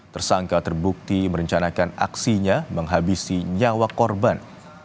tersangka terbukti merencanakan aksinya menghabisi nyawa korban